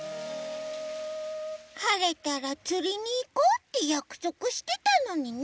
はれたらつりにいこうってやくそくしてたのにね。